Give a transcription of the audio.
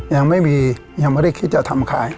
ยังไม่ได้คิดจะทำขาย